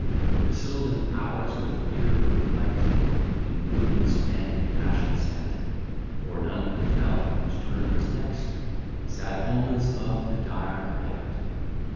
The Sylvan powers, with fear perplex'd, In prudence and compassion sent (For none could tell whose turn was next) Sad omens of the dire event.